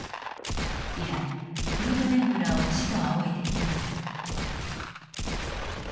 以来フルトヴェングラーを師と仰いでいた。